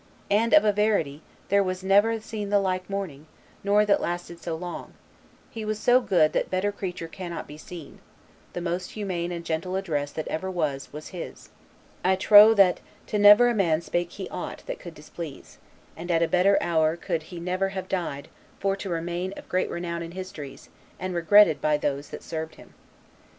And, of a verity, there was never seen the like mourning, nor that lasted so long; he was so good that better creature cannot be seen; the most humane and gentle address that ever was was his; I trow that to never a man spake he aught that could displease; and at a better hour could he never have died for to remain of great renown in histories and regretted by those that served him.